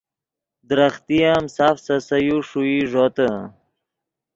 درختے ام ساف سے سے یو ݰوئی ݱوتے